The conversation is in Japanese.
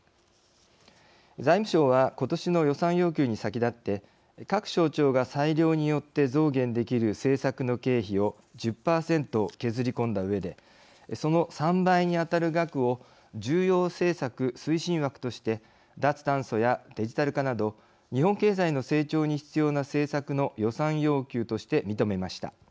財務省は今年の予算要求に先立って各省庁が裁量によって増減できる政策の経費を１０％削り込んだうえでその３倍に当たる額を重要政策推進枠として脱炭素やデジタル化など日本経済の成長に必要な政策の予算要求として認めました。